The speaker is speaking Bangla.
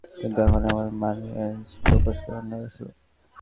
কিন্তু এখন আমার মাঝে প্রপোজ করার অনুভব আসলো।